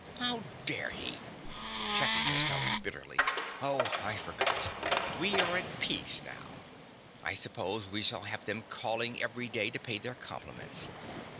How dare he—(Checking herself bitterly.) Oh, I forgot. We are at peace now. I suppose we shall have them calling every day to pay their compliments.